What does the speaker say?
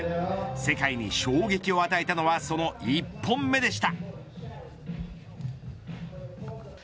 世界に衝撃を与えたのはその１本目でした。